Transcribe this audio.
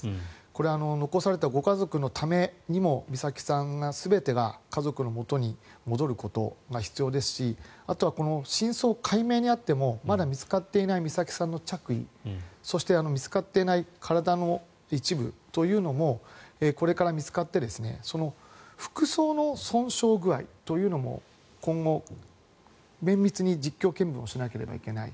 これは残されたご家族のためにも美咲さんの全てが家族の元に戻ることが必要ですしあとは真相解明にあってもまだ見つかっていない美咲さんの着衣そして見つかっていない体の一部というのもこれから見つかってその服装の損傷具合というのも今後、綿密に実況見分をしなければいけない